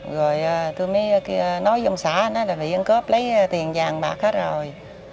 rồi tôi mới nói với ông xã nói là bị ăn cướp lấy tiền vàng bạc hết rồi